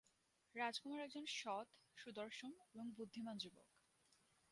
রাজ কুমার একজন সৎ, সুদর্শন এবং বুদ্ধিমান যুবক।